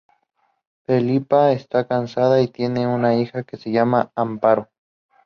Felipa está casada y tiene una hija que se llama Amparo.